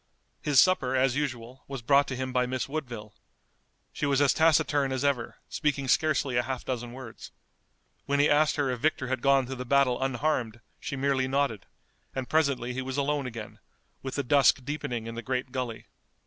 His supper, as usual, was brought to him by Miss Woodville. She was as taciturn as ever, speaking scarcely a half dozen words. When he asked her if Victor had gone through the battle unharmed she merely nodded, and presently he was alone again, with the dusk deepening in the great gully.